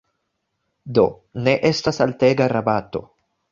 Do ne estas altega rabato.